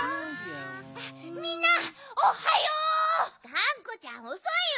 がんこちゃんおそいよ！